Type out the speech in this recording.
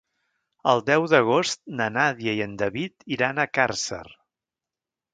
El deu d'agost na Nàdia i en David iran a Càrcer.